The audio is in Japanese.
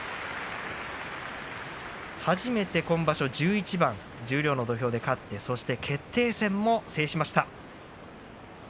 初めて今場所１１番十両の土俵で勝って、そして決定戦で勝って制しました。